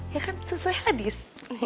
ya kan sesuai hadis